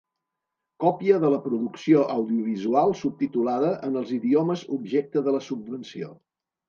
Còpia de la producció audiovisual subtitulada en els idiomes objecte de la subvenció.